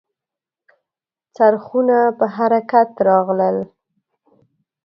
څرخونه په حرکت راغلل .